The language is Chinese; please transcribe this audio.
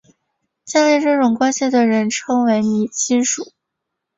建立这种关系的人称为拟亲属。